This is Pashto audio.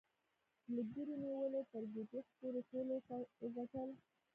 له ګيري نیولې تر ګیټس پورې ټولو وګټل